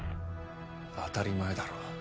当たり前だろ。